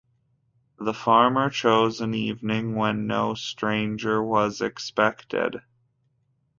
The farmer chose an evening when no stranger was expected.